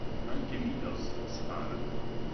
Anche Miloš spara.